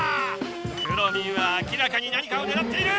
くろミンは明らかに何かをねらっている！